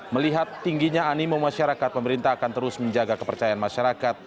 melihat tingginya animo masyarakat pemerintah akan terus menjaga kepercayaan masyarakat